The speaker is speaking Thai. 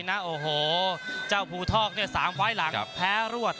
น่ะโอ้โหเจ้าภูทอกเนี่ยสามไว้หลังครับแพ้รวด